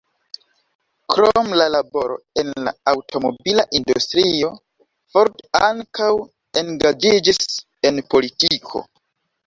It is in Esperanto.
Krom la laboro en la aŭtomobila industrio, Ford ankaŭ engaĝiĝis en politiko.